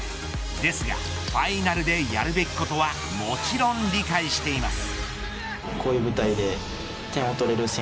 ですがファイナルでやるべきことはもちろん理解しています。